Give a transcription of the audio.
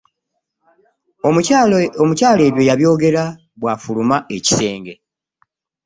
Omukyala ebyo yabyogera bw'afuluma ekisenge.